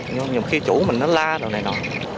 nhưng mà khi chủ mình nó la rồi này rồi